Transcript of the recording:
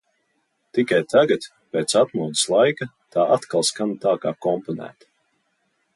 Tikai tagad pēc atmodas laika tā atkal skan tā kā komponēta.